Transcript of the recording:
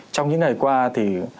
trong những ngày qua thì